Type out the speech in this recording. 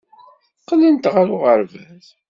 Qqlent ɣer uɣerbaz.